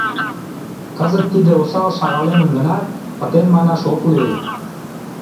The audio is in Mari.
Кызыт тиде осал шагалемын гынат, пытен манаш ок лий.